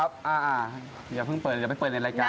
เอามือเข้าไปดีกว่าครับ